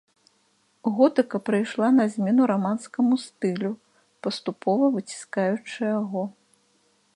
Готыка прыйшла на змену раманскаму стылю, паступова выціскаючы яго.